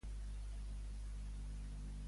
Quan va ser campiona d'Espanya infantil?